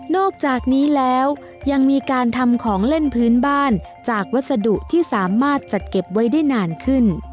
อกจากนี้แล้วยังมีการทำของเล่นพื้นบ้านจากวัสดุที่สามารถจัดเก็บไว้ได้นานขึ้น